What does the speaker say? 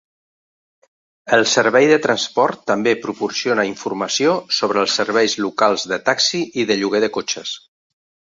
El Servei de Transport també proporciona informació sobre els serveis locals de taxi i de lloguer de cotxes.